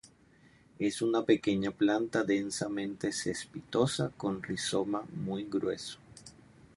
Es una pequeña planta densamente cespitosa, con rizoma muy grueso.